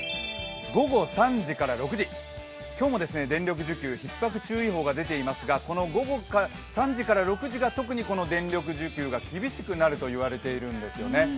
午後３時から６時、今日も電力需給ひっ迫注意報が出ていますが、この３時から６時が特に電力需給が厳しくなると言われているんですよね。